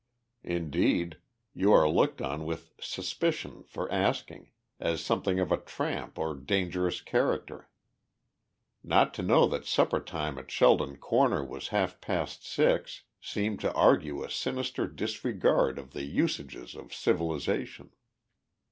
Indeed, you are looked on with suspicion for asking, as something of a tramp or dangerous character. Not to know that supper time at Sheldon Center was half past six seemed to argue a sinister disregard of the usages of civilization.